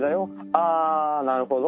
「あぁなるほど。